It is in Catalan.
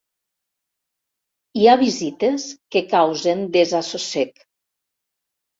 Hi ha visites que causen desassossec.